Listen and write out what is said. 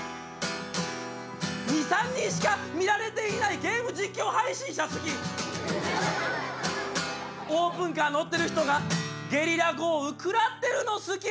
「２３人しか見られていないゲーム実況配信者好き」「オープンカー乗ってる人がゲリラ豪雨くらってるの好き」